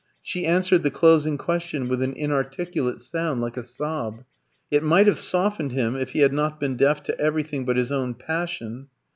She answered the closing question with an inarticulate sound like a sob. It might have softened him, if he had not been deaf to everything but his own passion.